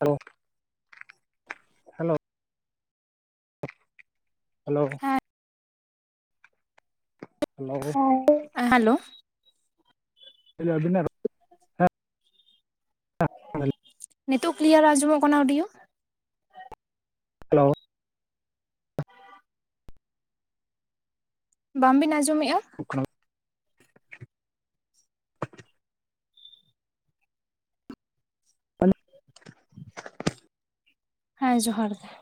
Hello. Hello. Hello. ᱦᱮᱸ hello, ᱦᱚᱸ ᱾ Hello. ᱟᱹᱵᱤᱱᱟᱜ ᱨᱚ ᱱᱤᱛᱳᱜ ᱠᱞᱤᱭᱟᱨ ᱟᱸᱡᱚᱢᱚᱜ ᱠᱟᱱᱟ ᱚᱰᱤᱭᱳ? ᱦᱮᱞᱳ ᱾ ᱵᱟᱝ ᱵᱤᱱ ᱟᱸᱡᱚᱢᱮᱜ-ᱟ? ᱚᱱᱟ ᱦᱮᱸ ᱡᱚᱦᱟᱨ ᱜᱮ ᱾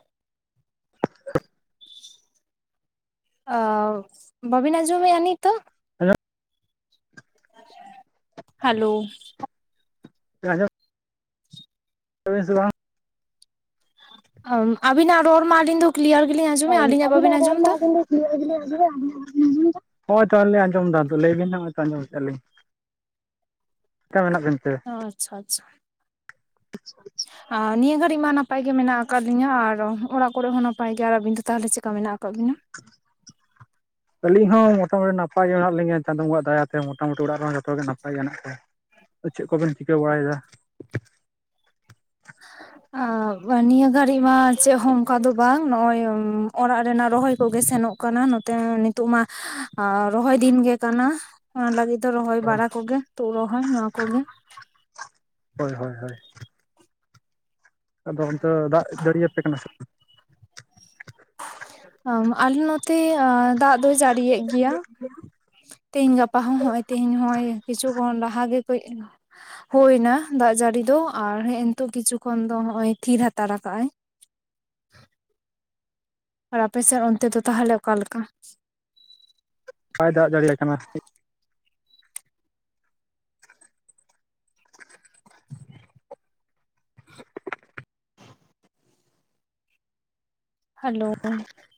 ᱚ ᱵᱟᱹᱵᱤᱱ ᱟᱡᱚᱢᱮᱜ-ᱟ ᱱᱤᱛᱚᱜ? Hello [inaudible] hello. ᱟᱹᱡᱚᱢ ᱮᱫᱟᱵᱤᱱ ᱥᱮ ᱵᱟᱝ? ᱟᱵᱤᱱᱟᱜ ᱨᱚᱲ ᱢᱟ ᱟᱹᱞᱤᱧ ᱫᱚ ᱠᱞᱤᱭᱟᱨ ᱜᱮᱞᱤᱧ ᱟᱸᱡᱚᱢᱮᱫ-ᱟ ᱾ ᱟᱹᱞᱤᱧᱟᱜ ᱵᱟᱹᱵᱤᱱ ᱟᱸᱡᱚᱢ ᱮᱫᱟ? [unintelligible] ᱦᱳᱭ ᱛᱟᱦᱞᱮ ᱟᱸᱡᱚᱢ ᱮᱫᱟ ᱟᱫᱚ ᱞᱟᱹᱭ ᱵᱤᱱ ᱦᱟᱸᱜ ᱛᱚ ᱟᱸᱡᱚᱢ ᱮᱫ-ᱟ ᱞᱤᱧ ᱾ [inaudible] ᱪᱮᱫᱠᱟ ᱢᱮᱱᱟᱜ ᱵᱤᱱ ᱛᱮ? ‌ [inaudible] ᱟᱪᱪᱷᱟ ᱟᱨ ᱱᱤᱭᱟᱹ ᱜᱷᱟᱹᱲᱤᱡ ᱢᱟ ᱱᱟᱯᱟᱭ ᱜᱮ ᱢᱮᱱᱟᱜ ᱟᱠᱟᱫ ᱞᱤᱧᱟ ᱟᱨ ᱚᱲᱟᱜ ᱠᱚᱨᱮ ᱦᱚᱸ ᱱᱟᱯᱟᱭ ᱜᱮ, ᱟᱨ ᱟᱹᱵᱤᱱ ᱫᱚ ᱛᱟᱦᱚᱞᱮ ᱪᱮᱫᱠᱟ ᱢᱮᱱᱟᱜ ᱟᱠᱟᱫ ᱵᱤᱱᱟ? [inaudible] ᱟᱹᱞᱤᱧ ᱦᱚᱸ ᱢᱚᱴᱟᱢᱩᱴᱤ ᱱᱟᱯᱟᱭ ᱜᱮ ᱢᱮᱱᱟᱜ ᱞᱤᱧᱟ ᱪᱟᱸᱫᱳ ᱵᱚᱸᱜᱟ ᱟᱜ ᱫᱟᱭᱟᱛᱮ ᱢᱚᱴᱟᱢᱩᱴᱤ ᱚᱲᱟᱜ ᱨᱮᱦᱚ ᱡᱚᱛᱚ ᱜᱮ ᱱᱟᱯᱟᱭ ᱜᱮ ᱢᱮᱱᱟᱜ ᱠᱚᱣᱟ ᱾ ᱪᱮᱫ ᱠᱚᱵᱮᱱ ᱪᱤᱠᱟᱹ ᱵᱟᱲᱟᱭ ᱮᱫᱟ? ᱱᱤᱭᱟᱹ ᱜᱷᱟᱹᱲᱤᱡ ᱢᱟ ᱪᱮᱫ ᱦᱚᱸ ᱚᱱᱠᱟ ᱫᱚ ᱵᱟᱝ ᱱᱚᱜ-ᱚᱭ ᱚᱲᱟᱜ ᱨᱮᱱᱟᱜ ᱨᱚᱦᱚᱭ ᱠᱚᱜᱮ ᱥᱮᱱᱚᱜ ᱠᱟᱱᱟ ᱱᱚᱛᱮ ᱱᱤᱛᱚᱜ ᱢᱟ ᱨᱚᱦᱚᱭ ᱫᱤᱱ ᱜᱮ ᱠᱟᱱᱟ᱾ ᱚᱱᱟ ᱞᱟᱹᱜᱤᱫ ᱫᱚ ᱨᱚᱦᱚᱭ ᱵᱟᱲᱟ ᱠᱚᱜᱮ ᱛᱩᱫ ᱨᱚᱦᱚᱭ ᱱᱚᱣᱟ ᱠᱚᱜᱮ ᱾ ᱦᱳᱭ ᱦᱳᱭ ᱦᱳᱭ ᱾ ᱟᱫᱚ ᱚᱱᱛᱮ ᱫᱟᱜ ᱡᱟᱹᱲᱤᱭ ᱟᱯᱮ ᱠᱟᱱᱟ ᱥᱮ ᱟᱞᱮ ᱱᱚᱛᱮ ᱫᱟᱜ ᱫᱚᱭ ᱡᱟᱹᱲᱤᱭᱮᱫ ᱜᱮᱭᱟ᱾ ᱛᱮᱦᱤᱧ ᱜᱟᱯᱟ ᱦᱚᱸ ᱱᱚᱜ-ᱚᱭ ᱛᱮᱦᱤᱧ ᱱᱚᱜ-ᱚᱭ ᱠᱤᱪᱷᱩ ᱠᱷᱚᱱ ᱞᱟᱦᱟ ᱜᱮ ᱠᱟᱹᱡ ᱦᱩᱭ ᱮᱱᱟ ᱫᱟᱜ ᱡᱟᱹᱲᱤ ᱫᱚ ᱟᱨ ᱦᱮᱸ ᱱᱤᱛᱳᱜ ᱠᱤᱪᱷᱩ ᱠᱷᱚᱱ ᱫᱚ ᱦᱚᱸᱜ-ᱚᱭ ᱛᱷᱤᱨ ᱦᱟᱛᱟᱲ ᱠᱟᱜ-ᱟᱭ ᱾ ᱟᱨ ᱟᱯᱮᱥᱮᱫ ᱚᱱᱛᱮ ᱫᱚ ᱛᱟᱦᱚᱞᱮ ᱚᱠᱟ ᱞᱮᱠᱟ? ᱵᱟᱭ ᱫᱟᱜ ᱡᱟᱲᱤ [unintelligible] ᱦᱮᱞᱳ ᱾ [inaudible]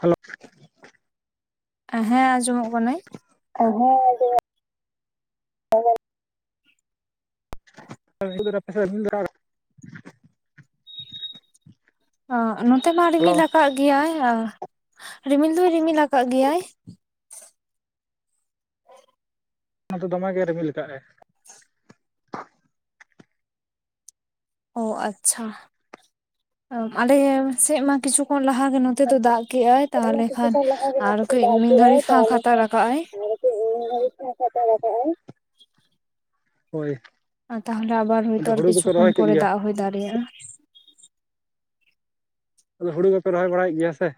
ᱦᱮᱞᱳ ᱾ ᱦᱮᱸ ᱟᱸᱡᱚᱢᱚᱜ ᱠᱟᱱᱟᱹᱧ ᱾ ᱦᱮᱸ ᱟᱸᱡᱚᱢ [unintelligible] ᱚ ᱱᱚᱛᱮ ᱢᱟ ᱦᱮᱞᱳ ᱨᱤᱢᱤᱞ ᱟᱠᱟᱫ ᱜᱮᱭᱟᱭ ᱟᱨ ᱨᱤᱢᱤᱞ ᱫᱚᱭ ᱨᱤᱢᱤᱞ ᱟᱠᱟᱫ ᱜᱮᱭᱟᱭ᱾ ᱱᱚᱛᱮ ᱫᱚᱢᱮ ᱜᱮ ᱨᱤᱢᱤᱞ ᱠᱟᱜᱟᱭ ᱾ ᱚ ᱟᱪᱪᱷᱟ, [inaudible] ᱟᱞᱮ ᱥᱮᱫ ᱢᱟ ᱠᱤᱪᱷᱩ ᱠᱷᱚᱱ ᱞᱟᱦᱟ ᱜᱮ ᱱᱚ ᱛᱮ ᱫᱚ ᱫᱟᱜ ᱠᱮᱫ-ᱟᱭ ᱛᱟᱦᱚᱞᱮ ᱟᱨ ᱠᱟᱹᱡ ᱢᱤᱫ ᱜᱷᱟᱹᱲᱤᱡ ᱯᱷᱟᱠ ᱦᱟᱛᱟᱲ ᱠᱟᱜ-ᱟᱭ ᱾ ᱥᱮ ᱱᱤᱭᱟᱹ ᱜᱷᱟᱲᱤ ᱯᱷᱟᱠ ᱦᱟᱛᱟᱲ ᱠᱟᱜ-ᱟᱭ ᱾ [inaudible] ᱦᱳᱭ ᱾ ᱟᱨ ᱛᱟᱦᱚᱞᱮ ᱟᱵᱟᱨ ᱦᱳᱭᱛᱚ ᱟᱨ ᱠᱤᱪᱷᱩ ᱠᱷᱚᱱ ᱠᱮᱫ ᱯᱚᱨᱮ ᱜᱮᱭᱟ ᱫᱟᱜ ᱦᱚᱭ ᱫᱟᱲᱮᱭᱟᱜ-ᱟ᱾ ᱟᱫᱚ ᱦᱩᱲᱩ ᱠᱚᱯᱮ ᱨᱚᱦᱚᱭ ᱵᱟᱲᱟᱭᱮᱫ ᱜᱮᱭᱟ ᱥᱮ?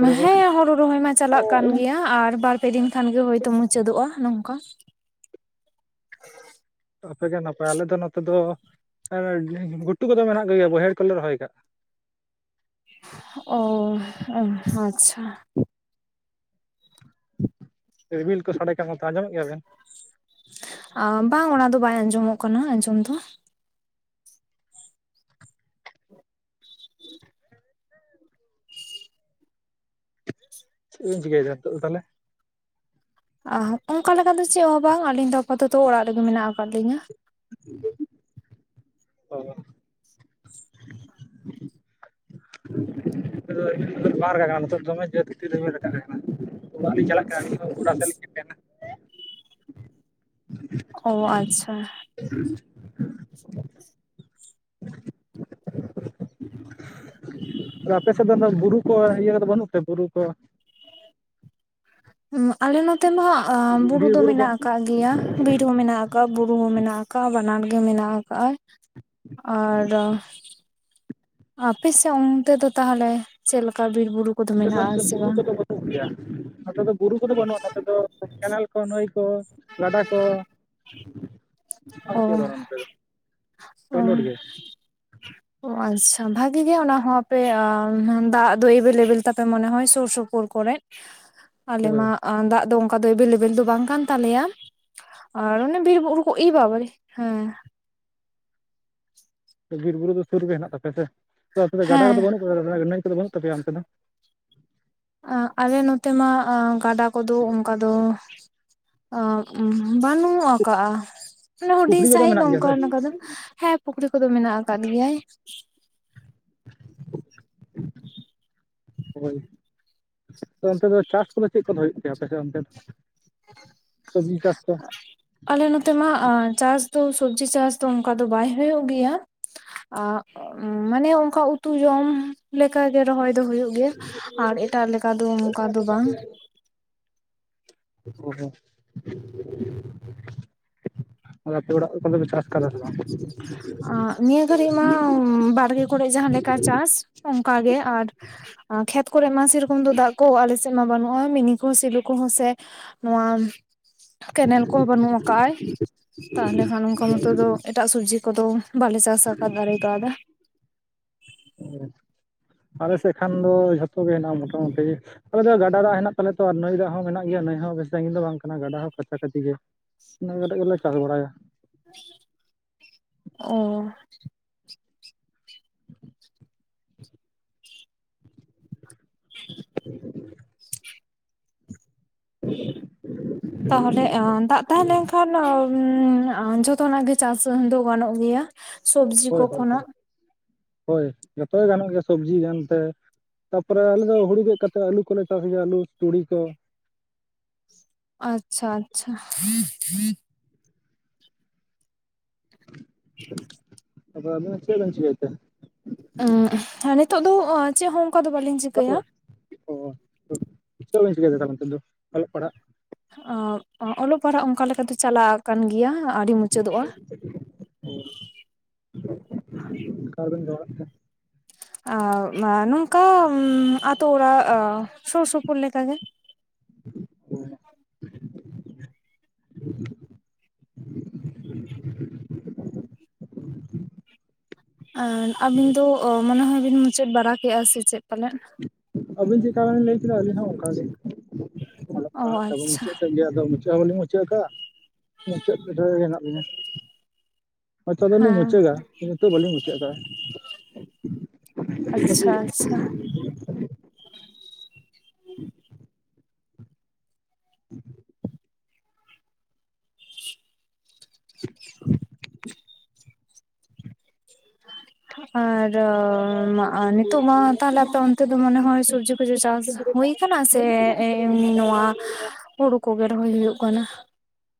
ᱦᱩᱲᱩ ᱠᱚ ᱦᱮᱸ ᱦᱩᱲᱩ ᱨᱚᱦᱚᱭ ᱢᱟ ᱪᱟᱞᱟᱜ ᱠᱟᱱ ᱜᱮᱭᱟ ᱟᱨ ᱵᱟᱨ ᱯᱮ ᱫᱤᱱ ᱠᱷᱟᱱ ᱜᱮ ᱦᱳᱭᱛᱳ, ᱢᱩᱪᱟᱹᱫ ᱱᱚᱝᱠᱟ ᱟᱯᱮᱜᱮ ᱱᱟᱯᱟᱭ ᱟᱞᱮ ᱫᱚ, ᱱᱚᱛᱮ ᱫᱚ ᱜᱷᱩᱴᱩ ᱠᱚᱫᱚ ᱢᱮᱱᱟᱜ ᱠᱚᱜᱮᱭᱟ, ᱵᱟᱹᱭᱦᱟᱹᱲ ᱠᱚᱞᱮ ᱨᱚᱦᱚᱭ ᱠᱟᱜ-ᱟ᱾ ᱚ ᱟᱪᱪᱷᱟ, ᱨᱤᱢᱤᱞ ᱠᱚ ᱥᱟᱰᱮ ᱠᱟᱱᱟ, ᱱᱚᱛᱮ ᱫᱚ ᱟᱸᱡᱚᱢᱚᱜ ᱜᱮᱭᱟᱵᱮᱱ? ᱟ ᱵᱟᱝ ᱚᱱᱟ ᱫᱚ ᱵᱟᱭ, ᱟᱸᱡᱚᱢᱚᱜ ᱠᱟᱱᱟ ᱟᱸᱡᱚᱢ ᱫᱚ ᱪᱮᱫ ᱵᱤᱱ ᱪᱤᱠᱟᱹᱭᱮᱜᱼᱟ ᱱᱤᱛᱚᱜ ᱫᱚ ᱛᱟᱦᱚᱞᱮ ᱚᱱᱠᱟ ᱞᱮᱠᱟ ᱫᱚ ᱪᱮᱫ ᱦᱚᱸ ᱵᱟᱝ, ᱟᱹᱞᱤᱧ ᱫᱚ ᱟᱯᱟᱛᱚᱛᱚ ᱚᱲᱟᱜ ᱨᱮᱜᱮ ᱢᱮᱱᱟᱜ ᱟᱠᱟᱫ ᱞᱤᱧᱟᱹ᱾ [inaudible] [unintelligible] ᱚ, ᱵᱟᱝ ᱨᱟᱠᱟ ᱠᱟᱱᱟ ᱱᱤᱛᱜ, ᱫᱚᱢᱮ ᱡᱛ ᱛᱤ ᱨᱮᱵ ᱟᱠᱟᱱᱟ᱾ ᱟᱞᱤ ᱡᱚᱞᱚᱠᱤ ᱥᱞ ᱠᱮᱫᱯᱮᱱᱟ [unintelligible] [unintelligible] ᱚ ᱟᱪᱪᱷᱟ, ᱦ [unintelligible] [unintelligible] ᱟᱯᱮ ᱥᱮᱫ ᱫᱚ ᱵᱩᱨᱩ ᱠᱚ, ᱤᱭᱟᱹ ᱠᱚᱫᱚ ᱵᱟᱹᱱᱩᱜ ᱛᱮ ᱵᱩᱨᱩ ᱠᱚ ᱟᱞᱮ ᱱᱚᱛᱮ ᱢᱟ, ᱵᱩᱨᱩ ᱵᱤᱨ ᱫᱚ ᱠᱚ ᱢᱮᱱᱟᱜ ᱟᱠᱟᱜ ᱜᱮᱭᱟ᱾ ᱜᱮᱭᱟ, ᱵᱤᱨ ᱦᱚᱸ ᱢᱮᱱᱟᱜ ᱟᱠᱟᱜᱼᱟ, ᱵᱩᱨᱩ ᱦᱚᱸ ᱢᱮᱱᱟᱜ ᱟᱠᱟᱜᱼᱟ, ᱵᱟᱱᱟᱨ ᱜᱮ ᱢᱮᱱᱟᱜ ᱟᱠᱟᱜᱼᱟ᱾ ᱟᱨᱚ ᱟᱯᱮ ᱥᱮᱫ ᱚᱱᱛᱮ ᱫᱚ ᱛᱟᱦᱚᱞᱮ, ᱪᱮᱫ ᱞᱮᱠᱟ ᱵᱤᱨ ᱵᱩᱨᱩ ᱠᱚᱫᱚ ᱥᱮᱫ ᱢᱮᱱᱟᱜᱼᱟ, ᱫᱚ ᱥᱮ ᱵᱩᱨᱩ ᱵᱟᱝ? ᱠᱚᱫᱚ ᱵᱟᱹᱱᱩᱜ ᱜᱮᱭᱟ, ᱱᱚᱛᱮ ᱫᱚ ᱵᱩᱨᱩ ᱠᱚᱫᱚ ᱵᱟᱹᱱᱩᱜᱼᱟ ᱱᱚᱛᱮ ᱫᱚ ᱠᱮᱱᱮᱞ ᱠᱚ, ᱱᱟᱹᱭ ᱠᱚ, ᱜᱟᱰᱟ ᱠᱚ᱾ ᱟᱨ ᱚ ᱪᱮᱫ ᱦᱚ ᱵᱟᱱᱩᱜ-ᱟ, ᱱᱚᱛᱮ ᱫᱚ [inaudible] ᱚ ᱯᱳᱭᱞᱳ ᱨᱮᱜᱮ ᱾ ᱚ, ᱟᱪᱪᱷᱟ ᱵᱷᱟᱜᱮ ᱜᱮ ᱚᱱᱟ ᱦᱚᱸ, ᱟᱯᱮ ᱫᱟᱜ ᱫᱚ ᱮᱵᱮᱞ ᱞᱮᱵᱮᱞ ᱛᱟᱯᱮ, ᱢᱚᱱᱮ ᱦᱚᱭ ᱥᱳᱨ ᱥᱳᱯᱳᱨ ᱠᱚᱨᱮ ᱾ [inaudible] [inaudible] ᱟᱞᱮ ᱢᱟ ᱫᱟᱜ ᱫᱚ ᱚᱱᱠᱟ ᱫᱚ, ᱮᱵᱮᱞ ᱞᱮᱵᱮᱞ ᱫᱚ ᱵᱟᱝ ᱠᱟᱱ ᱛᱟᱞᱮᱭᱟ ᱾ ᱟᱨ ᱚᱱᱮ ᱵᱤᱨ ᱵᱩᱨᱩ ᱠᱚ, ᱤ-ᱵᱟᱵᱟ ᱨᱮ ᱦᱮᱸ ᱾ ᱵᱤᱨ ᱵᱩᱨᱩ ᱫᱚ ᱥᱩᱨ ᱨᱮᱜᱮ ᱦᱮᱱᱟᱜ ᱛᱟᱯᱮ ᱥᱮ᱾ ᱟᱫᱚ ᱟᱯᱮ ᱫᱚ ᱜᱟᱰᱟ ᱠᱚᱫᱚ ᱦᱮᱸ ᱵᱟᱹᱱᱩᱜ [unintelligible] ᱱᱟᱹᱭ ᱠᱚᱫᱚ ᱵᱟᱹᱱᱩᱜ ᱛᱟᱯᱮᱭᱟ ᱚᱱᱛᱮ ᱫᱚ? ᱟᱞᱮ ᱱᱚᱛᱮ ᱢᱟ, ᱜᱟᱰᱟ ᱠᱚᱫᱚ ᱚᱱᱠᱟ ᱫᱚ ᱟ ᱵᱟᱹᱱᱩᱜ ᱠᱟᱜᱼᱟ, ᱢᱟᱱᱮ ᱦᱩᱰᱤᱧ ᱯᱩᱠᱷᱨᱤ ᱠᱚᱫᱚ ᱥᱟᱺᱦᱤᱡ ᱢᱮᱱᱟᱜ ᱜᱮᱭᱟ ᱱᱚᱝᱠᱟ ᱥᱮ? ᱱᱚᱝᱠᱟ ᱫᱚ ᱦᱮᱸ, ᱯᱩᱠᱷᱨᱤ ᱠᱚᱫᱚ ᱢᱮᱱᱟᱜ ᱟᱠᱟᱫ ᱜᱮᱭᱟᱭ ᱾ ᱦᱳᱭ᱾ ᱟᱫᱚ ᱚᱱᱛᱮ ᱫᱚ ᱪᱟᱥ ᱠᱚᱫᱚ, ᱪᱮᱫ ᱠᱚᱫᱚ ᱦᱳᱭᱳᱜ ᱛᱟᱯᱮᱭᱟ ᱟᱯᱮ ᱥᱮᱫ ᱚᱱᱛᱮ ᱫᱚ? [inaudible] ᱥᱚᱵᱽᱡᱤ ᱪᱟᱥ ᱠᱚ ᱾ ᱟᱞᱮ ᱱᱚᱛᱮ ᱢᱟ, ᱪᱟᱥ ᱫᱚ ᱥᱚᱵᱡᱤ ᱪᱟᱥ ᱫᱚ, ᱚᱱᱠᱟ ᱫᱚ ᱵᱟᱭ ᱦᱳᱭᱳᱜ ᱜᱮᱭᱟ ᱾ ᱟᱸᱜ, ᱢᱟᱱᱮ ᱚᱱᱠᱟ ᱩᱛᱩ ᱡᱚᱢ ᱞᱮᱠᱟ ᱜᱮ, ᱨᱚᱦᱚᱭ ᱫᱚ ᱦᱳᱭᱳᱜ ᱜᱮᱭᱟ ᱟᱨ ᱮᱴᱟᱜ ᱞᱮᱠᱟ ᱫᱚ, ᱚᱱᱠᱟ ᱫᱚ ᱵᱟᱝ ᱾ ᱚ ᱦᱚᱸ, [unintelligible] [unintelligible] ᱟᱨ ᱟᱯᱮ ᱚᱲᱟᱜ ᱠᱚᱨᱮ ᱫᱚ, ᱯᱮ ᱪᱟᱥ ᱠᱟᱫᱟ ᱥᱮ ᱵᱟᱝ? ᱟᱸᱜ, ᱱᱤᱭᱟᱹ ᱜᱷᱟᱹᱲᱤᱡ ᱢᱟ, ᱵᱟᱲᱜᱮ ᱠᱚᱨᱮᱜ ᱡᱟᱦᱟᱸ ᱞᱮᱠᱟ ᱪᱟᱥ ᱚᱱᱠᱟ ᱜᱮ ᱟᱨ ᱠᱷᱮᱛ ᱠᱚᱨᱮᱜ ᱢᱟ ᱥᱮᱨᱚᱠᱚᱢ ᱫᱚ, ᱫᱟᱜ ᱠᱚ ᱟᱞᱮ ᱥᱮᱫ ᱢᱟ ᱵᱟᱱᱩᱜ-ᱟ ᱾ᱢᱤᱱᱤ ᱠᱚᱦᱚᱸ ᱥᱮᱞᱩ ᱠᱚᱦᱚᱸ ᱥᱮ ᱱᱚᱣᱟ ᱠᱮᱱᱮᱞ ᱠᱚᱦᱚ ᱵᱟᱹᱱᱩᱜ ᱟᱠᱟᱜᱼᱟᱭ ᱾ ᱛᱟᱦᱚᱞᱮ ᱠᱷᱟᱱ ᱚᱱᱠᱟ ᱢᱚᱛᱚ ᱫᱚ, ᱮᱴᱟᱜ ᱥᱚᱵᱡᱤ ᱠᱚᱫᱚ ᱵᱟᱞᱮ ᱪᱟᱥ ᱟᱠᱟᱫ ᱫᱟᱲᱮ ᱠᱟᱣᱫᱟ ᱾ [unintelligible] ᱟᱞᱮ ᱥᱮᱫ ᱠᱷᱟᱱ ᱫᱚ, ᱡᱷᱚᱛᱚ ᱜᱮ ᱦᱮᱱᱟᱜᱼᱟ, ᱢᱚᱴᱟᱢᱩᱴᱤ ᱾ ᱟᱞᱮ ᱫᱚ ᱜᱟᱰᱟ ᱫᱟᱜ ᱦᱮᱱᱟᱜ ᱛᱟᱞᱮᱭᱟ ᱛᱚ, ᱟᱨ ᱱᱟᱹᱭ ᱫᱟᱜ ᱦᱚᱸ ᱢᱮᱱᱟᱜ ᱜᱮᱭᱟ ᱾ ᱱᱟᱹᱭ ᱦᱚᱸ ᱵᱮᱥᱤ ᱥᱟᱺᱜᱤᱧ ᱫᱚ ᱵᱟᱝ ᱠᱟᱱᱟ ᱜᱟᱰᱟ ᱦᱚᱸ ᱠᱟᱪᱷᱟ ᱠᱟᱪᱷᱤ ᱜᱮ ᱾ ᱤᱱᱟᱹᱜ ᱠᱟᱛᱮᱫ ᱜᱮᱞᱮ, ᱪᱟᱥ ᱵᱟᱲᱟᱭᱟ ᱾ [inaudible] ᱚ ᱾ [unintelligible] ᱛᱟᱦᱚᱞᱮ ᱮᱸ ᱫᱟᱜ ᱛᱟᱸᱦᱮ ᱞᱱᱠᱷᱟᱱ ᱮᱸ ᱟ ᱡᱷᱚᱛᱚᱱᱟᱜ ᱜᱮ ᱪᱟᱥ ᱫᱚ ᱜᱟᱱᱚᱜ ᱜᱮᱭᱟ᱾ ᱥᱚᱵᱽᱡᱤ ᱠᱚ ᱦᱳᱭ ᱦᱳᱭ ᱠᱷᱚᱱᱟᱜ ᱦᱳᱭ ᱦᱳᱭ ᱡᱷᱚᱛᱚ ᱜᱮ ᱜᱟᱱᱚᱜ ᱜᱮᱭᱟ ᱥᱚᱵᱡᱤ ᱡᱟᱱᱛᱮ᱾ ᱛᱟᱯᱚᱨᱮ ᱟᱞᱮ ᱫᱚ ᱦᱩᱲᱩ ᱜᱮᱫ ᱠᱟᱛᱮᱫ ᱟᱹᱞᱩ ᱠᱚᱞᱮ ᱪᱟᱥ ᱜᱮᱭᱟ ᱟᱹᱞᱩ, ᱛᱩᱲᱤ ᱠᱚ᱾ ᱟᱪᱪᱷᱟ ᱟᱪᱪᱷᱟ᱾ ᱟᱫᱚ ᱟᱵᱮᱱ ᱫᱚ ᱪᱮᱫ ᱵᱮᱱ ᱪᱤᱠᱟᱹᱭᱮᱫ ᱛᱮ? ᱮᱸ ᱦᱮᱸ ᱱᱤᱛᱚᱜ ᱫᱚ ᱪᱮᱫ ᱦᱚᱸ ᱚᱱᱠᱟ ᱫᱚ ᱵᱟᱹᱞᱤᱧ ᱪᱤᱠᱟᱹᱭᱟ᱾ ᱚ, ᱪᱮᱫ ᱵᱤᱱ ᱪᱤᱠᱟᱭ ᱮᱫᱟ ᱛᱟᱦᱚᱞᱮ ᱱᱤᱛᱚᱜ ᱫᱚ, ᱚᱞᱚᱜ ᱯᱟᱲᱦᱟᱜ? ᱚᱞᱚᱜ ᱯᱟᱲᱦᱟᱜ ᱚᱱᱠᱟ ᱞᱮᱠᱟᱛᱮ ᱪᱟᱞᱟᱜ ᱠᱟᱱ ᱜᱮᱭᱟ, ᱟᱹᱣᱨᱤ ᱢᱩᱪᱟᱹᱫᱚᱜᱼᱟ᱾ ᱚ, [unintelligible] ᱨᱮᱵᱤᱱ [unintelligible] ᱟ ᱱᱚᱝᱠᱟ ᱟᱛᱳ ᱚᱲᱟᱜ‌ ᱟ ᱥᱩᱨ ᱥᱩᱯᱩᱨ ᱞᱮᱠᱟ ᱜᱮ᱾ [unintelligible] [unintelligible] ᱟᱨ ᱟᱹᱵᱤᱱ ᱫᱚ ᱚ ᱢᱚᱱᱮ ᱦᱚᱭ ᱵᱤᱱ ᱢᱩᱪᱟᱹᱫ ᱵᱟᱲᱟ ᱠᱮᱜᱼᱟ ᱥᱮ ᱪᱮᱫ ᱯᱟᱞᱮᱫ? ᱟᱹᱵᱤᱱ ᱪᱮᱫᱠᱟ ᱵᱤᱱ ᱞᱟᱹᱭ ᱠᱮᱫᱟ ᱟᱹᱞᱤᱧ ᱦᱚᱸ ᱚᱱᱠᱟ ᱜᱮ᱾ ᱚᱞᱚᱜ ᱚ ᱯᱟᱲᱦᱟᱜ ᱪᱟᱵᱟ ᱟᱪᱪᱷᱟ ᱢᱩᱪᱟᱹᱫ ᱥᱮᱫ ᱜᱮ, ᱟᱫᱚ ᱢᱩᱪᱟᱹᱫ ᱦᱚᱸ ᱵᱟᱹᱞᱤᱧ ᱢᱩᱪᱟᱹᱫ ᱟᱠᱟᱫ-ᱟ, ᱢᱩᱪᱟᱹᱫ ᱵᱤᱫᱟᱹᱞ ᱨᱮᱜᱮ ᱦᱮᱱᱟᱜ ᱞᱤᱧᱟ᱾ ᱦᱳᱭᱛᱚ ᱫᱚᱞᱤᱧ ᱦᱮᱸ ᱢᱩᱪᱟᱹᱜᱼᱟ, ᱠᱤᱱᱛᱩ ᱱᱤᱛᱚᱜ ᱵᱟᱹᱞᱤᱧ ᱢᱩᱪᱟᱹᱫ ᱟᱠᱟᱜᱼᱟ᱾ ᱟᱪᱪᱷᱟ ᱟᱪᱪᱷᱟ᱾ [unintelligible] [unintelligible] [unintelligible] ᱟᱨᱻ ᱱᱤᱛᱳᱜ ᱢᱟ ᱛᱟᱦᱞᱮ ᱟᱯᱮ ᱚᱱᱛᱮ ᱫᱚ ᱢᱚᱱᱮ ᱦᱚᱭ ᱥᱩᱵᱡᱤ ᱠᱚᱫᱚ ᱪᱟᱥ ᱦᱩᱭ ᱟᱠᱟᱱᱟ ᱥᱮ ᱮᱢᱱᱤ ᱱᱚᱣᱟ ᱦᱩᱲᱩ ᱠᱚᱜᱮ ᱨᱚᱦᱚᱭ ᱦᱩᱭᱩᱜ ᱠᱟᱱᱟ?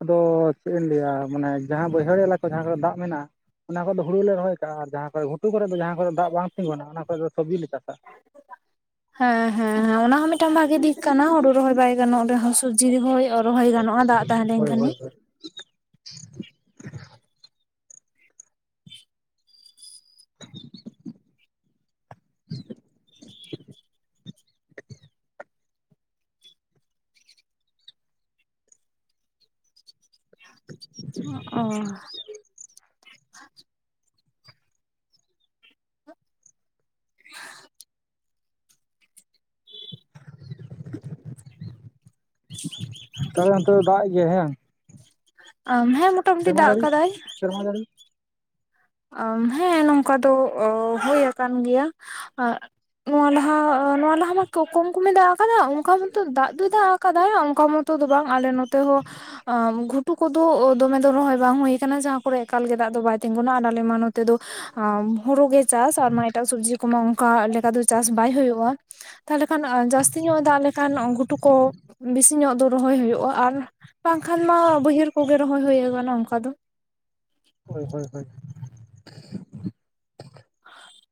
ᱟᱫᱚᱻ ᱪᱮᱫ ᱵᱤᱱ ᱞᱟᱹᱭᱟ ᱢᱟᱱᱮ ᱡᱟᱸᱦᱟ ᱵᱟᱹᱭᱦᱟᱹᱲ ᱮᱞᱟᱠᱟ ᱡᱟᱸᱦᱟ ᱠᱟᱨᱮ ᱫᱟᱜ ᱢᱮᱱᱟᱜᱼᱟ ᱚᱱᱟ ᱠᱚᱨᱮ ᱫᱚ ᱦᱩᱲᱩ ᱞᱮ ᱨᱚᱦᱚᱭ ᱠᱟᱜᱼᱟ ᱟᱨ ᱡᱟᱸᱦᱟ ᱠᱚᱨᱮ ᱜᱷᱩᱴᱩ ᱠᱚᱨᱮ ᱫᱚ ᱡᱟᱸᱦᱟ ᱠᱚᱨᱮ ᱫᱟᱜ ᱵᱟᱝ ᱛᱤᱸᱜᱩᱱᱟ ᱚᱱᱟ ᱠᱚᱨᱮ ᱫᱚ ᱥᱚᱵᱡᱤ ᱞᱮ ᱪᱟᱥᱟ᱾ [unintelligible] ᱦᱮᱸ ᱦᱮᱸ ᱦᱮᱸ ᱚᱱᱟ ᱦᱚᱸ ᱢᱤᱫᱴᱟᱝ ᱵᱷᱟᱜᱮ ᱫᱤᱠ ᱠᱟᱱᱟ ᱦᱳᱲᱩ ᱨᱚᱦᱚᱭ ᱵᱟᱭ ᱜᱟᱱᱚᱜ ᱨᱮᱸᱦᱚ ᱥᱚᱵᱽᱡᱤ ᱨᱮᱸᱦᱚ ᱨᱚᱦᱚᱭ ᱜᱟᱱᱚᱜᱼᱟ ᱫᱟᱜ ᱛᱟᱸᱦᱮᱸᱞᱮᱱ ᱦᱳᱭ ᱠᱷᱟᱱ ᱦᱳᱭ ᱜᱮ᱾ ᱦᱳᱭ [unintelligible] [unintelligible] [unintelligible] ᱚ [unintelligible] [unintelligible] ᱛᱟᱹᱣ ᱫᱟᱜ ᱮᱸᱜ ᱜᱮᱭᱟᱭ ᱦᱮᱸ ᱵᱟᱝ? ᱟᱢ ᱦᱮᱸ ᱢ ᱥᱮᱨᱢᱟ ᱡᱟᱹᱲᱤ ᱥᱮᱨᱢᱟ ᱡᱟᱹᱲᱤ᱾ ᱟᱢ ᱦᱮᱸ ᱱᱚᱝᱠᱟ ᱫᱚ ᱦᱩᱭ ᱟᱠᱟᱱ ᱜᱮᱭᱟ ᱟ᱾ ᱱᱚᱣᱟ ᱞᱟᱦᱟ ᱟ ᱱᱚᱣᱟ ᱞᱟᱦᱟ ᱢᱟ ᱠᱚᱢ ᱠᱚᱢᱮ ᱫᱟᱜ ᱠᱟᱫᱟ ᱚᱱᱚᱠᱟ ᱢᱟᱛᱚ ᱫᱟᱜ ᱫᱚᱭ ᱫᱟᱜ ᱟᱠᱟᱫᱟᱭ ᱚᱱᱠᱟ ᱢᱚᱛᱚ ᱫᱚ ᱵᱟᱝ ᱟᱞᱮ ᱱᱚᱛᱮ ᱦᱚᱸ ᱜᱷᱩ ᱴᱩ ᱠᱚᱫᱚ ᱫᱚᱢᱮ ᱫᱚ ᱨᱚᱦᱚᱭ ᱵᱟᱝ ᱦᱩᱭ ᱠᱟᱱᱟ ᱡᱟᱸᱦᱟ ᱠᱚᱨᱮ ᱮᱠᱟᱞ ᱜᱮ ᱫᱟᱜ ᱫᱚ ᱵᱟᱭ ᱛᱤᱸᱜᱩᱱᱟ᱾ ᱟᱞᱮ ᱢᱟ ᱱᱚᱛᱮ ᱫᱚ ᱮᱸ ᱦᱩᱲᱩ ᱜᱮ ᱪᱟᱥ ᱟᱨ ᱢᱟ ᱮᱴᱟᱜ ᱥᱚᱵᱽᱡᱤ ᱠᱚᱢᱟ ᱚᱱᱠᱟ ᱞᱮᱠᱟ ᱫᱚ ᱪᱟᱥ ᱵᱟᱭ ᱦᱩᱭᱩᱜᱼᱟ᱾ ᱛᱟᱦᱚᱞᱮ ᱠᱷᱟᱱ ᱡᱟᱹᱥᱛᱤ ᱧᱚᱜ ᱮ ᱫᱟᱜ ᱞᱮᱠᱷᱟᱱ ᱜᱷᱩᱴᱩ ᱠᱚ ᱵᱮᱥᱤ ᱧᱚᱜ ᱫᱚ ᱨᱚᱦᱚᱭ ᱦᱩᱭᱩᱜᱼᱟ ᱟᱨ ᱵᱟᱝᱠᱷᱟᱱ ᱢᱟ ᱵᱟᱹᱭᱦᱟᱹᱲ ᱠᱚᱜᱮ ᱨᱚᱦᱚᱭ ᱦᱩᱭ ᱠᱟᱱᱟ ᱚᱱᱠᱟ ᱫᱚ᱾ ᱦᱳᱭ ᱦᱳᱭ ᱦᱳᱭ ᱾ [inaudible]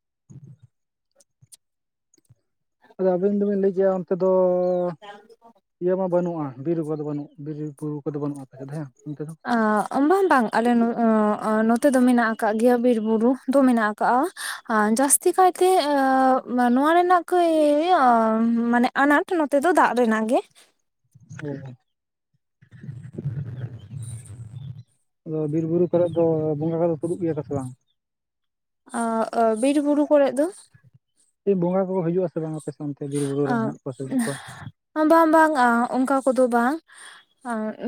ᱟᱫᱚ ᱟᱵᱤᱱ ᱫᱚᱵᱤᱱ ᱞᱟᱹᱭ ᱠᱮᱜ-ᱟ ᱚᱱᱛᱮ ᱫᱚ [unintelligible] ᱤᱭᱟᱹ ᱢᱟ ᱵᱟᱹᱱᱩᱜ-ᱟ ᱵᱤᱨ ᱠᱚᱫᱚ ᱵᱟᱹᱱᱩᱜ ᱵᱤᱨᱵᱩᱨᱩ ᱠᱚᱫᱚ ᱵᱟᱹᱱᱩᱜ ᱟ ᱾ ᱵᱟᱝ ᱵᱟᱝ ᱟᱞᱮ ᱱᱚᱛᱮ ᱫᱚ ᱢᱮᱱᱟᱜ ᱠᱟᱜ ᱜᱮᱭᱟ, ᱵᱤᱨ ᱵᱩᱨᱩ ᱫᱚ ᱢᱮᱱᱟᱜ ᱠᱟᱜ-ᱟ ᱡᱟᱹᱥᱛᱤ ᱠᱟᱭᱛᱮ ᱢᱟᱱᱮ ᱱᱚᱣᱟ ᱨᱮᱱᱟᱜ ᱠᱟᱹᱡ ᱢᱟᱱᱮ ᱟᱱᱟᱴ ᱱᱚᱛᱮ ᱫᱚ ᱫᱟᱜ ᱨᱮᱱᱟᱜ ᱜᱮ ᱾ ᱦᱮᱸ᱾ [inaudible] [inaudible] ᱟᱫᱚ ᱵᱤᱨ ᱵᱩᱨᱩ ᱠᱚᱨᱮ ᱫᱚ ᱵᱚᱸᱜᱟ ᱠᱚᱫᱚ ᱥᱩᱨᱩᱜ ᱜᱮᱭᱟ ᱠᱚ ᱥᱮ ᱵᱟᱝ? ᱟ ᱵᱤᱨ ᱵᱩᱨᱩ ᱠᱚᱨᱮᱜ ᱫᱚ? ᱵᱚᱸᱜᱟ ᱠᱚᱠᱚ ᱦᱤᱡᱩᱜ ᱟᱥᱮ ᱵᱟᱝ ᱟᱯᱮ ᱚᱱᱛᱮ ᱵᱤᱨ ᱵᱩᱨᱩ ᱨᱮ ᱦᱮᱱᱟᱜ ᱠᱚᱣᱟ ᱥᱮ ᱵᱟᱹᱱᱩᱜ ᱠᱚᱣᱟ? ᱵᱟᱝ ᱵᱟᱝ ᱚᱱᱠᱟ ᱠᱚᱫᱚ ᱵᱟᱝ ᱾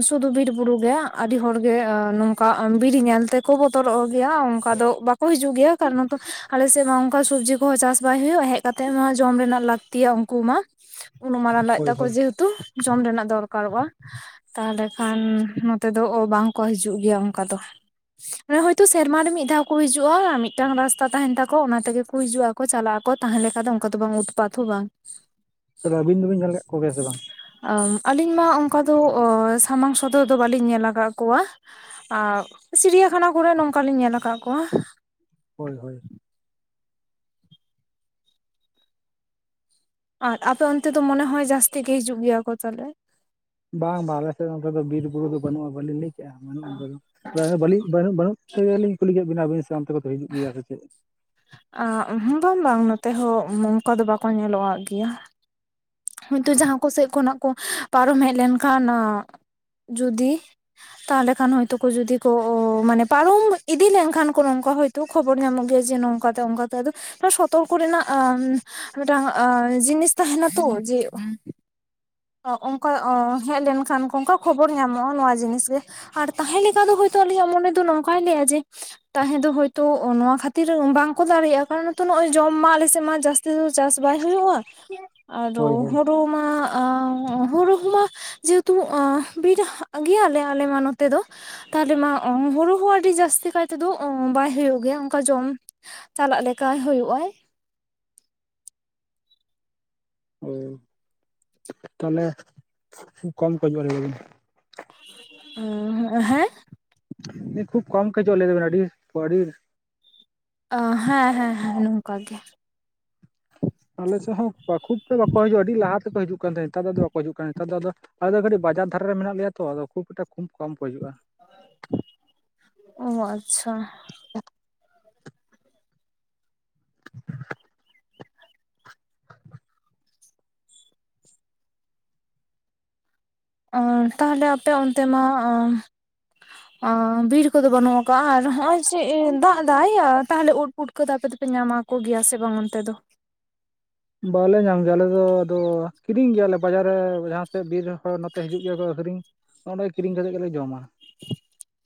ᱥᱩᱫᱩ ᱵᱤᱨ ᱵᱩᱨᱩ ᱜᱮ ᱟᱹᱰᱤ ᱦᱚᱲ ᱜᱮ ᱱᱚᱝᱠᱟ ᱵᱤᱨ ᱧᱮᱞᱛᱮ ᱠᱚ ᱵᱚᱛᱚᱨᱚᱜ ᱜᱮᱭᱟ ᱚᱱᱠᱟ ᱫᱚ ᱵᱟᱠᱚ ᱦᱤᱡᱩᱜ ᱜᱮᱭᱟ ᱠᱟᱨᱚᱱ ᱛᱚ ᱟᱞᱮᱥᱮᱫ ᱢᱟ ᱚᱱᱠᱟ ᱥᱚᱵᱽᱡᱤ ᱠᱚᱦᱚᱸ ᱪᱟᱥ ᱵᱟᱭ ᱦᱩᱭᱩᱜ-ᱟ ᱦᱮᱡ‌ ᱠᱟᱛᱮ ᱢᱟ ᱡᱚᱢ ᱨᱮᱱᱟᱜ ᱞᱟᱹᱠᱛᱤᱭᱟ ᱩᱱᱠᱩ ᱢᱟ ᱾ ᱩᱱ ᱢᱟᱨᱟᱝ ᱞᱟᱡ ᱦᱳᱭ ᱛᱟᱠᱚ ᱦᱳᱭ᱾ ᱡᱮ ᱦᱮᱛᱩ ᱡᱚᱢ ᱨᱮᱱᱟᱜ ᱫᱚᱨᱠᱟᱨᱚᱜ-ᱟ ᱾ ᱛᱟᱦᱚᱞᱮ ᱠᱷᱟᱱ ᱱᱚᱛᱮ ᱫᱚ ᱚ ᱵᱟᱝᱠᱚ ᱦᱤᱡᱩᱜ ᱜᱮᱭᱟ ᱚᱱᱠᱟ ᱫᱚ ᱾ ᱢᱚᱱᱮ ᱦᱚᱭᱛᱳ ᱥᱮᱨᱢᱟᱨ ᱨᱮ ᱢᱤᱫ ᱫᱷᱟᱣ ᱠᱚ ᱦᱤᱡᱩᱜ-ᱟ ᱢᱤᱫᱴᱟᱝ ᱨᱟᱥᱛᱟ ᱛᱟᱦᱮᱱ ᱛᱟᱠᱚ ᱚᱱᱟ ᱛᱮᱜᱮ ᱠᱚ ᱦᱤᱡᱩ ᱦᱤᱡᱩᱜ ᱟ ᱠᱚ ᱪᱟᱞᱟᱜ ᱟᱠᱚ ᱛᱟᱦᱮᱸ ᱞᱮᱠᱟ ᱫᱚ ᱚᱱᱠᱟ ᱫᱚ ᱵᱟᱝ ᱩᱛᱯᱟᱛ ᱦᱚᱸ ᱵᱟᱝ ᱾ ᱟᱵᱤᱱ ᱫᱚᱵᱤᱱ ᱧᱮᱞ ᱟᱠᱟᱫ ᱠᱚᱜᱮᱭᱟ ᱥᱮ ᱵᱟᱝ? ᱟᱹᱞᱤᱧ ᱢᱟ ᱚᱱᱠᱟ ᱫᱚ ᱥᱟᱢᱟᱝ ᱥᱚᱫᱚᱨ ᱫᱚ ᱵᱟᱹᱞᱤᱧ ᱧᱮᱞ ᱟᱠᱟᱫ ᱠᱚᱣᱟ ᱾ ᱟᱨ ᱪᱤᱲᱤᱭᱟᱠᱷᱟᱱᱟ ᱠᱚᱨᱮᱜ ᱱᱚᱝᱠᱟ ᱞᱤᱧ ᱧᱮᱞ ᱟᱠᱟᱫ ᱠᱚᱣᱟ ᱾ ᱦᱳᱭ ᱦᱳᱭ ᱾ ᱟᱨ ᱟᱯᱮ ᱚᱱᱛᱮ ᱫᱚ ᱢᱚᱱᱮ ᱦᱚᱭ ᱡᱟᱹᱥᱛᱤ ᱜᱮ ᱦᱤᱡᱩᱜ ᱜᱮᱭᱟ ᱠᱚ ᱛᱟᱦᱚᱞᱮ? ᱵᱟᱝ ᱵᱟᱝ ᱟᱞᱮᱥᱮᱫ ᱚᱱᱰᱮ ᱫᱚ ᱵᱤᱨ ᱵᱩᱨᱩ ᱫᱚ ᱵᱟᱹᱱᱩᱜ-ᱟ ᱵᱟᱞᱤᱧ ᱞᱟᱹᱭ ᱠᱮᱜ-ᱟ ᱵᱟᱹᱱᱩᱜ-ᱟ ᱚᱱᱠᱟ ᱫᱚ ᱾ ᱡᱟᱭᱦᱳᱠ ᱵᱟᱹᱞᱤᱧ ᱵᱟᱹᱱᱩᱜ ᱵᱟᱹᱱᱩᱜ ᱛᱮᱜᱮᱞᱤᱧ ᱠᱩᱞᱤ ᱠᱮᱫ ᱵᱤᱱᱟ ᱟᱹᱵᱤᱱ ᱥᱮ ᱚᱱᱛᱮ ᱠᱚ ᱦᱤᱡᱩᱜ ᱜᱮᱭᱟ ᱥᱮ ᱪᱮᱫ? ᱟ ᱵᱟᱝ ᱵᱟᱝ ᱱᱚᱛᱮ ᱱᱚᱝᱠᱟ ᱫᱚ ᱵᱟᱠᱚ ᱧᱮᱞᱚᱜᱣᱟᱜ ᱜᱮᱭᱟ ᱾ ᱦᱳᱭᱛᱚ ᱡᱟᱦᱟᱸ ᱠᱚ ᱥᱮᱫ ᱠᱷᱚᱱᱟᱜ ᱠᱚ ᱯᱟᱨᱚᱢ ᱦᱮᱡ ᱞᱮᱱᱠᱷᱟᱱ ᱡᱩᱫᱤ ᱛᱟᱦᱚᱞᱮ ᱠᱷᱟᱱ ᱦᱳᱭᱛᱳ ᱠᱚ ᱡᱩᱫᱤ ᱠᱚ ᱢᱟᱱᱮ ᱯᱟᱨᱚᱢ ᱤᱫᱤ ᱞᱮᱱᱠᱷᱟᱱ ᱠᱚ ᱱᱚᱝᱠᱟ ᱦᱳᱭ ᱛᱚ ᱠᱷᱚᱵᱚᱨ ᱧᱟᱢᱚᱜ ᱜᱮᱭᱟ ᱡᱮ ᱱᱚᱝᱠᱟᱛᱮ ᱚᱱᱠᱟᱛᱮ ᱟᱫᱚ ᱥᱚᱛᱚᱨᱠᱚ ᱨᱮᱱᱟᱜ ᱢᱤᱫᱴᱟᱝ ᱡᱤᱱᱤᱥ ᱛᱟᱦᱮᱱᱟ ᱛᱚ ᱡᱮ ᱚᱱᱠᱟ ᱦᱮᱡ ᱞᱮᱱᱠᱷᱟᱱ ᱚᱱᱠᱟ ᱠᱷᱚᱵᱚᱨ ᱧᱟᱢᱚᱜ-ᱟ ᱱᱚᱣᱟ ᱡᱤᱱᱤᱥ ᱜᱮ ᱾ ᱟᱨ ᱛᱟᱦᱮᱸ ᱞᱮᱠᱟ ᱫᱚ ᱦᱳᱭᱛᱳ ᱟᱞᱤᱧᱟᱜ ᱢᱚᱱᱮ ᱫᱚ ᱱᱚᱝᱠᱟᱭ ᱞᱟᱹᱭᱟ ᱡᱮ ᱛᱟᱦᱮᱸ ᱫᱚ ᱦᱳᱭᱛᱳ ᱱᱚᱣᱟ ᱠᱷᱟᱹᱛᱤᱨ ᱵᱟᱝᱠᱚ ᱫᱟᱲᱮᱭᱟᱜ-ᱟ ᱠᱟᱨᱚᱱ ᱛᱚ ᱱᱚᱜ-ᱚᱭ ᱡᱚᱢ ᱢᱟ ᱟᱞᱮᱥᱮᱫ ᱢᱟ ᱡᱟᱹᱥ ᱛᱤ ᱫᱚ ᱪᱟᱥ ᱵᱟᱭ ᱦᱩᱭᱩᱜ-ᱟ ᱟᱨ ᱦᱳᱭ ᱦᱳᱭ ᱾ [inaudible] ᱵᱩᱨᱩ ᱦᱩᱢᱟ ᱡᱮᱦᱮᱛᱩ ᱵᱤᱨ ᱜᱮᱭᱟᱞᱮ ᱟᱞᱮ ᱢᱟ ᱱᱚᱛᱮ ᱫᱚ ᱛᱟᱦᱚᱞᱮ ᱢᱟ ᱦᱩᱲᱩ ᱦᱚᱸ ᱟᱹᱰᱤ ᱡᱟᱹᱥᱛᱤ ᱠᱟᱭ ᱛᱮᱫᱚ ᱵᱟᱭ ᱦᱩᱭᱩᱜ ᱜᱮᱭᱟ ᱚᱱᱠᱟ ᱡᱚᱢ ᱪᱟᱞᱟᱜ ᱞᱮᱠᱟᱭ ᱦᱩᱭᱩᱜ-ᱟᱭ ᱾ ᱚ ᱾ [inaudible] ᱛᱟᱦᱚᱞᱮ [inaudible] ᱠᱚᱢ ᱠᱚ [unintelligible] ᱚ, ᱦᱮᱸ? [unintelligible] ᱟ ᱦᱮᱸ ᱦᱮᱸ ᱦᱮᱸ ᱱᱚᱝᱠᱟ ᱜᱮ᱾ ᱟᱞᱮ ᱥᱮᱫ ᱦᱚᱸ ᱵᱟ ᱠᱷᱩᱵ ᱛᱮ ᱵᱟᱠᱚ ᱦᱤᱡᱩᱜᱼᱟ᱾ ᱟᱹᱰᱤ ᱞᱟᱦᱟ ᱛᱮᱠᱚ ᱦᱤᱡᱩᱜ ᱠᱟᱱ ᱛᱟᱦᱮᱸᱫ, ᱱᱮᱛᱟᱨ ᱫᱟ ᱫᱚ ᱵᱟᱠᱚ ᱦᱤᱡᱩᱜ ᱠᱟᱱ ᱠᱟᱱᱟ, ᱱᱮᱛᱟᱨ ᱫᱚ ᱟᱫᱚ ᱟᱞᱮ ᱫᱚ ᱠᱟᱹᱴᱤᱡ ᱵᱟᱡᱟᱨ ᱫᱷᱟᱨᱮ ᱨᱮ ᱢᱮᱱᱟᱜ ᱞᱮᱭᱟ ᱛᱚ ᱟᱫᱚ ᱠᱷᱩᱵ ᱮᱴᱟ ᱠᱷᱩᱵ ᱠᱚᱢ ᱠᱚ ᱦᱤᱡᱩᱜᱼᱟ᱾ ᱚ ᱟᱪᱪᱷᱟ᱾ [inaudible] ᱚ ᱛᱟᱦᱚᱞᱮ ᱟᱯᱮ ᱚᱱᱛᱮ ᱢᱟ ᱟ ᱟᱸ ᱵᱤᱨ ᱠᱚᱫᱚ ᱵᱟᱹᱱᱩᱜ ᱟᱠᱟᱜ ᱟᱨ ᱦᱚᱸᱜᱼᱚᱭ ᱪᱮᱫ ᱮ ᱫᱟᱜ ᱫᱟᱭᱟ ᱟᱨ ᱛᱟᱦᱚᱞᱮ ᱩᱫᱽ ᱯᱩᱴ ᱯᱩᱴᱠᱟᱹ ᱫᱚ ᱟᱯᱮ ᱫᱚᱯᱮ ᱧᱟᱢᱟ ᱠᱚ ᱜᱮᱭᱟ ᱥᱮ ᱵᱟᱝ ᱚᱱᱛᱮ ᱫᱚ? ᱵᱟᱞᱮ ᱜᱮᱭᱟ ᱟᱞᱮ ᱫᱚ ᱟᱫᱚ ᱠᱤᱨᱤᱧ ᱜᱮᱭᱟᱞᱮ ᱵᱟᱡᱟᱨ ᱨᱮ ᱡᱟᱦᱟᱸ ᱥᱮᱫ ᱵᱤᱨ ᱨᱮᱱ ᱦᱚᱲ ᱱᱚᱛᱮ ᱦᱤᱡᱩᱜ ᱜᱮᱭᱟ ᱠᱚ ᱟᱠᱷᱨᱤᱧ᱾ ᱚᱸᱰᱮ ᱠᱤᱨᱤᱧ ᱠᱟᱛᱮ ᱜᱮᱞᱮ ᱡᱚᱢᱟ᱾ [inaudible]